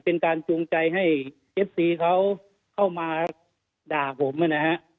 เป็นการจูงใจให้เอฟซีเขาเข้ามาด่าผมกันใช่ไหมครับ